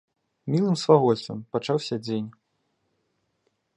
Мілым свавольствам пачаўся дзень.